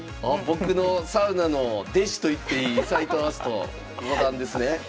僕のサウナの弟子といっていい斎藤明日斗五段ですね。